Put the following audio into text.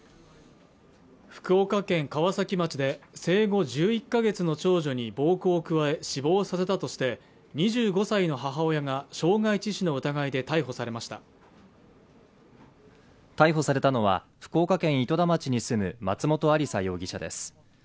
福岡県川崎町で生後１１か月の長女に暴行を加え死亡させたとして２５歳の母親が傷害致死の疑いで逮捕されました逮捕されたのは福岡県糸田町に住む松本亜里沙容疑者です